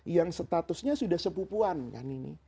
dan statusnya sudah sepupuan